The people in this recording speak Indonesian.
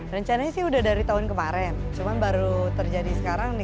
rencananya sih udah dari tahun kemarin cuma baru terjadi sekarang nih